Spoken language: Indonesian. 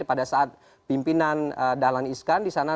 pada saat pimpinan dahlan iskan di sana